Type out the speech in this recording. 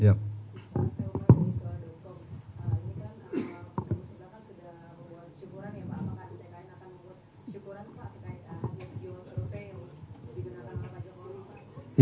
digunakan pak jokowi